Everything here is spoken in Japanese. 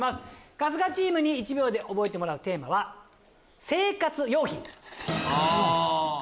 春日チームに１秒で覚えてもらうテーマは生活用品。